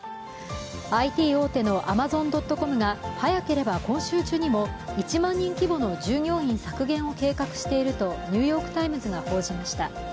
ＩＴ大手のアマゾン・ドット・コムが、早ければ今週中にも１万人規模の従業員削減を計画していると「ニューヨーク・タイムズ」が報じました。